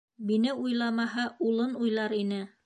Мине уйламаһа, улын уйлар ине!